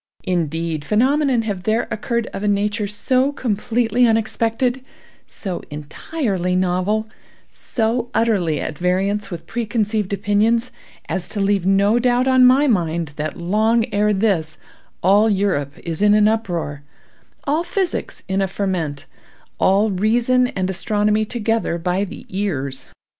Indeed, phenomena have there occurred of a nature so completely unexpected—so entirely novel—so utterly at variance with preconceived opinions—as to leave no doubt on my mind that long ere this all Europe is in an uproar, all physics in a ferment, all reason and astronomy together by the ears.